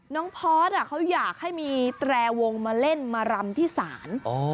พอร์ตเขาอยากให้มีแตรวงมาเล่นมารำที่ศาล